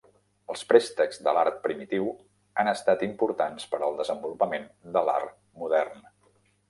Els préstecs de l'art primitiu han estat importants per al desenvolupament de l'art modern.